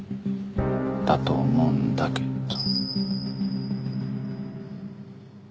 だと思うんだけど。